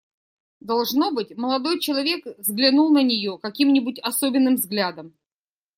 Должно быть, молодой человек взглянул на нее каким-нибудь особенным взглядом.